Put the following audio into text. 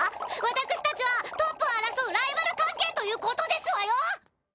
私たちはトップを争うライバル関係ということですわよ。